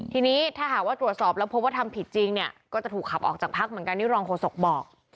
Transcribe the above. ทีนี้ถ้าหากว่าตรวจสอบแล้วพบว่าทำผิดจริงเนี่ยก็จะถูกขับออกจากพักเหมือนกันที่รองโฆษกบอก